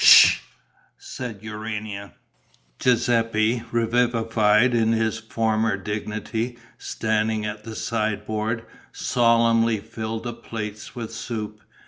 "Ssh!" said Urania. Giuseppe, revivified in his former dignity, standing at a sideboard, solemnly filled the plates with soup.